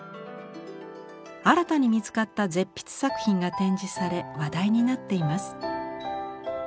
新たに見つかった絶筆作品が展示され話題になっています。